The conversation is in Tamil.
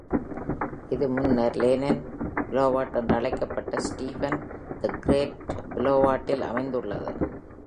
இது முன்னர் Lenin Boulevard என்று அழைக்கப்பட்ட Stephen the Great Boulevard ல் அமைந்துள்ளது.